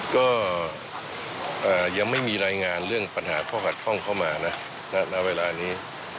ก็ยังไม่มีรายงานเรื่องปัญหาข้อขัดข้องเข้ามานะณเวลานี้